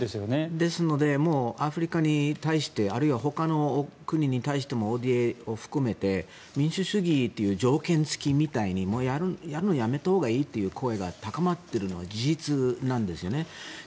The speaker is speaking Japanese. ですのでアフリカに対してあるいはほかの国に対してＯＤＡを含めて民主主義という条件付きでもうやるのをやめたほうがいいという声が高まっているのは事実なんですよね。